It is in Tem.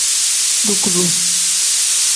Dukuru.